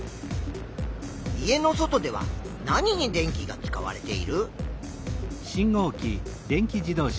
家の外では何に電気が使われている？